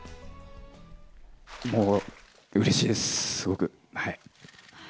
もううれしいです、すごく。